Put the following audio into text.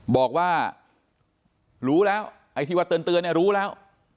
บอกว่ารู้แล้วไอ้ที่ว่าเตือนเนี่ยรู้แล้ว